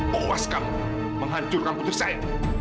puas kamu menghancurkan putri saya